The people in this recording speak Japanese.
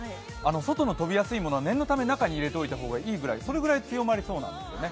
外の飛びやすいものは、念のため中に入れておいた方がいいぐらいそれぐらい強まりそうなんですよね。